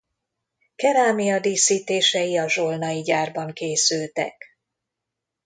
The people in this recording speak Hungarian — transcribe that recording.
Kerámia díszítései a Zsolnay-gyárban készültek.